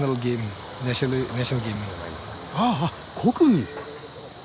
あああっ国技。